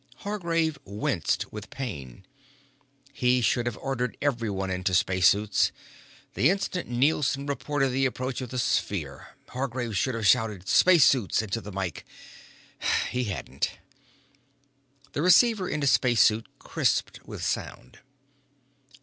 Hargraves winced with pain. He should have ordered everyone into space suits. The instant Nielson reported the approach of the sphere, Hargraves should have shouted, "Space suits" into the mike. He hadn't. The receiver in his space suit crisped with sound.